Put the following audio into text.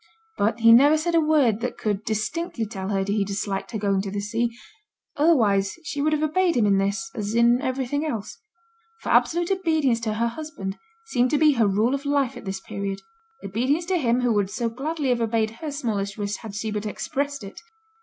But he never said a word that could distinctly tell her he disliked her going to the sea, otherwise she would have obeyed him in this, as in everything else; for absolute obedience to her husband seemed to be her rule of life at this period obedience to him who would so gladly have obeyed her smallest wish had she but expressed it!